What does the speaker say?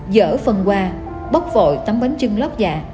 giỡn phần quà bốc vội tắm bánh chưng lót dạ